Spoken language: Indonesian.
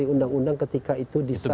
undang undang ketika itu diserahkan